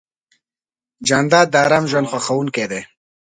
جانداد د ارام ژوند خوښوونکی دی.